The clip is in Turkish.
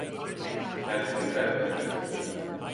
Kendimi kaybediyorum.